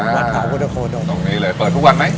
ตรงนี้เลยเปิดทุกวันไหม